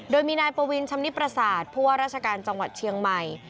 โดยมีนายปวินชำนิดประสาทผู้ว่าราชการจังหวัดเชียงใหม่